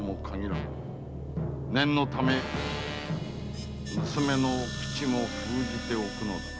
念のため娘の口も封じておくのだな。